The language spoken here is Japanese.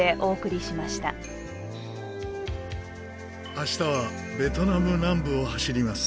明日はベトナム南部を走ります。